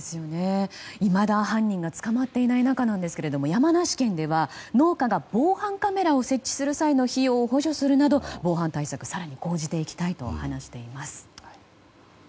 いまだ、犯人が捕まっていない中ですが山梨県では農家が防犯カメラを設置する際の費用を補助するなど防犯対策更に講じていきたいとしています。